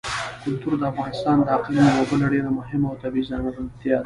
کلتور د افغانستان د اقلیم یوه بله ډېره مهمه او طبیعي ځانګړتیا ده.